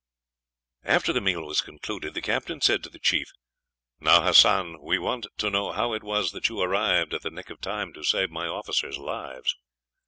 After the meal was concluded, the captain said to the chief: "Now, Hassan, we want to know how it was that you arrived at the nick of time to save my officers' lives."